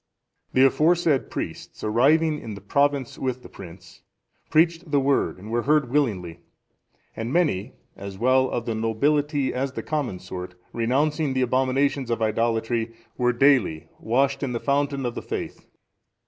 (408) The aforesaid priests, arriving in the province with the prince, preached the Word, and were heard willingly; and many, as well of the nobility as the common sort, renouncing the abominations of idolatry, were daily washed in the fountain of the faith.